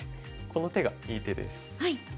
この手がいい手です。